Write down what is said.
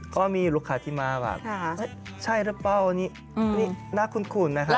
เพราะว่ามีลูกค้าที่มาแบบใช่หรือเปล่านี่น่าคุ้นนะครับ